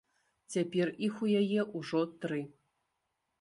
Цяпер іх у яе ўжо тры!